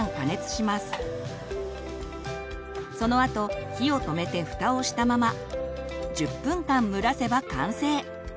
そのあと火を止めてふたをしたまま１０分間蒸らせば完成！